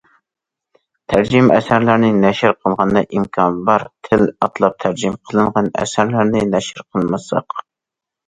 تەرجىمە ئەسەرلەرنى نەشر قىلغاندا ئىمكان بار تىل ئاتلاپ تەرجىمە قىلىنغان ئەسەرلەرنى نەشر قىلمىساق.